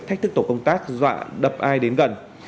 thách thức tổ công tác dọa đập ai đến gần